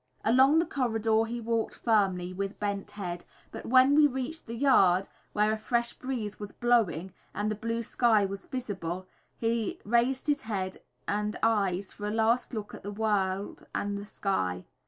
Along the corridor he walked firmly, with bent head, but when we reached the yard where a fresh breeze was blowing and the blue sky was visible, he raised his head and eyes for a last look at the world and the sky.